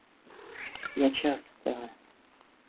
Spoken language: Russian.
Я часто...